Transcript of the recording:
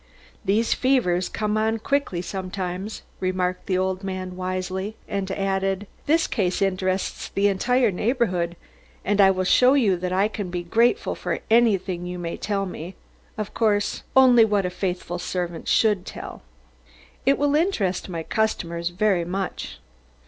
"These fevers come on quickly sometimes," remarked the old man wisely, and added: "This case interests the entire neighbourhood and I will show you that I can be grateful for anything you may tell me of course, only what a faithful servant could tell. It will interest my customers very much."